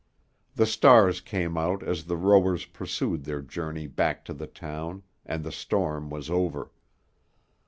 The stars came out as the rowers pursued their journey back to the town, and the storm was over.